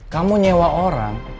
kamu nyewa orang